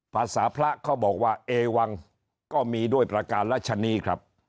ภาษาพระเขาบอกว่าเอวังก็มีด้วยประการรัชนีครับ